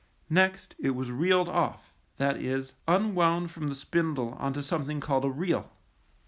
155 Next it was reeled off, that is, unwound from the spindle on to something called a reel.